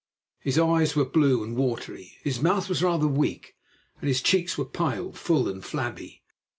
His eyes were blue and watery, his mouth was rather weak, and his cheeks were pale, full and flabby.